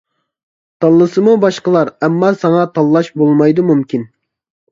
تاللىسىمۇ باشقىلار ئەمما ساڭا تاللاش بولمايدۇ مۇمكىن.